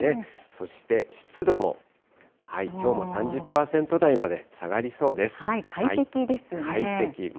そして湿度もきょうも３０％台ま快適ですね。